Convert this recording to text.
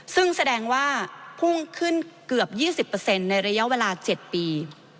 ซึ่งแสดงว่าพุ่งขึ้นเกือบ๒๐ในระยะเวลา๗ปี